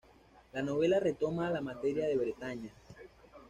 La novela retoma la materia de Bretaña.